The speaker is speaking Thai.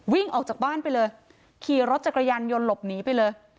วิ่งออกจากบ้านไปเลยขี่รถจักรยานยนต์หลบหนีไปเลย